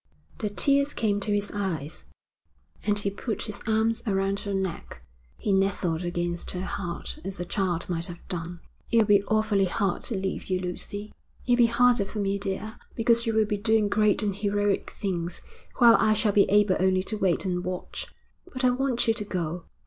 The tears came to his eyes, and he put his arms around her neck. He nestled against her heart as a child might have done. 'It'll be awfully hard to leave you, Lucy.' 'It'll be harder for me, dear, because you will be doing great and heroic things, while I shall be able only to wait and watch. But I want you to go.'